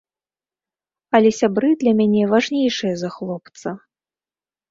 Але сябры для мяне важнейшыя за хлопца.